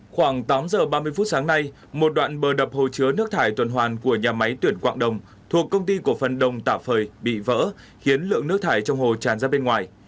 khoảng tám giờ ba mươi phút sáng nay một đoạn bờ đập hồ chứa nước thải tuần hoàn của nhà máy tuyển quạng đồng thuộc công ty cổ phần đồng tà phời bị vỡ khiến lượng nước thải trong hồ tràn ra bên ngoài